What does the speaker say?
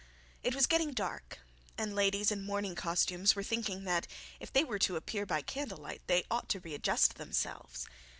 It was getting dark, and ladies in morning costumes were thinking that if they were to appear by candle light they ought to readjust themselves.